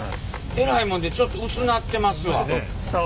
えらいもんでちょっと薄なってますわ。